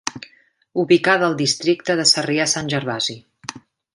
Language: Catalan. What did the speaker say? Ubicada al districte de Sarrià-Sant Gervasi.